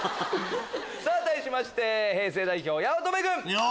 さぁ対しまして平成代表八乙女君！